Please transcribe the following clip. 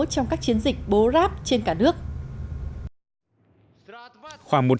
trong các chiến dịch bố ráp trên cả nước